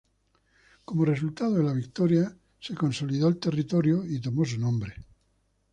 Como resultado de la victoria de consolidó el territorio y tomó su nombre.